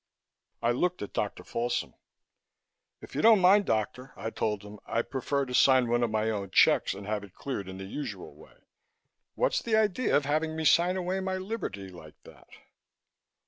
I looked at Dr. Folsom. "If you don't mind, doctor," I told him, "I'd prefer to sign one of my own checks and have it cleared in the usual way. What's the idea of having me sign away my liberty like that?"